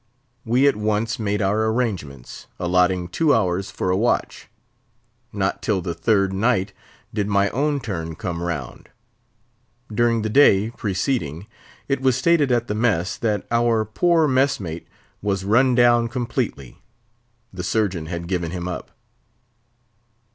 We at once made our arrangements, allotting two hours for a watch. Not till the third night did my own turn come round. During the day preceding, it was stated at the mess that our poor mess mate was run down completely; the surgeon had given him up.